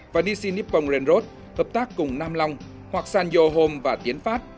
và dc nippon railroad hợp tác cùng nam long hoặc sanyo home và tiến phát